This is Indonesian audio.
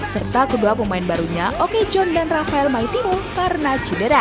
serta kedua pemain barunya okejohn dan rafael maitimo karena cedera